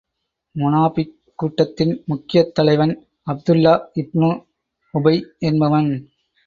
முனாபிக்குக் கூட்டத்தின் முக்கியத் தலைவன் அப்துல்லாஹ் இப்னு உபை என்பவன்.